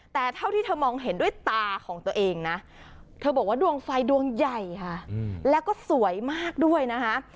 แต่เท่าที่เธอมองเห็นด้วยตาของตัวเองนะเธอบอกว่าดวงไฟดวงใหญ่ค่ะแล้วก็สวยมากด้วยนะคะ